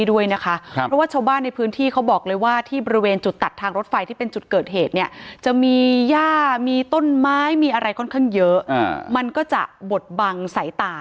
เพราะว่าชาวบ้านในพื้นที่เขาบอกเลยว่าที่บริเวณจุดตัดทางรถไฟที่เป็นจุดเกิดเหตุเนี่ยจะมีย่ามีต้นไม้มีอะไรค่อนข้างเยอะมันก็จะบดบังสายตา